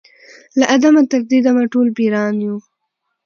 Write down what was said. له آدمه تر دې دمه ټول پیران یو